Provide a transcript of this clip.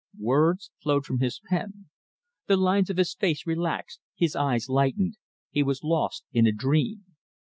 Words flowed from his pen. The lines of his face relaxed, his eyes lightened; he was lost in a dream.